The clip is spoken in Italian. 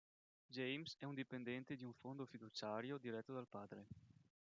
James è un dipendente di un fondo fiduciario diretto dal padre.